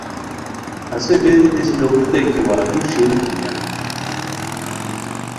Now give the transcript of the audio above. ہسے بیری نیسی لوڑیتائے کی واقعی ݰئیلی دنیا